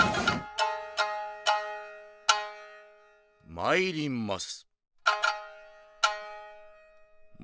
まいります！